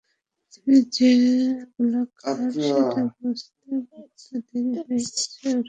পৃথিবী যে গোলাকার সেটা বুঝতে বদ্দ দেরী হয়ে গেছে ওর।